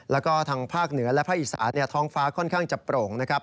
แล้วก็ทางภาคเหนือและภาคอีสานท้องฟ้าค่อนข้างจะโปร่งนะครับ